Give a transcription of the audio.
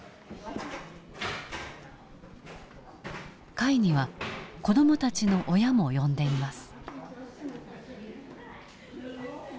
会には子どもたちの親も呼んでいます。